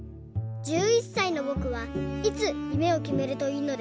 １１さいのぼくはいつゆめをきめるといいのですか？」。